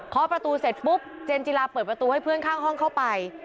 ขอประตูเสร็จปุ๊บเจนจิลาเปิดประตูให้เพื่อนข้างห้องเข้าไป